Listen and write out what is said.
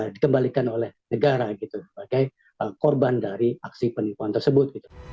dikembalikan oleh negara gitu sebagai korban dari aksi penipuan tersebut